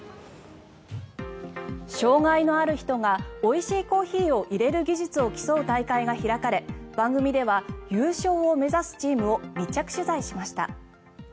障害のある人がおいしいコーヒーを入れる技術を競う大会が開かれ番組では、優勝を目指すチームを密着取材しました。